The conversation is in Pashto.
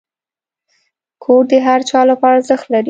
کور د هر چا لپاره ارزښت لري.